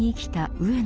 上野